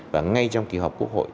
và ngay trong kỳ họp quốc hội